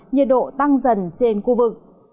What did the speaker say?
nhiệt độ tăng dần trên khu vực